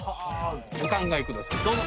お考え下さいどうぞ！